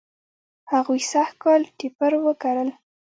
هغوی سږ کال ټیپر و کرل.